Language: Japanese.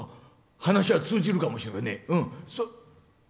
話は通じるかもしれねえ。